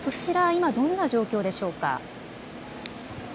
今、どんな状況でしょうか。